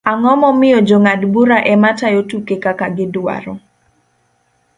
ang'o momiyo jong'ad - bura ema tayo tuke kaka gidwaro?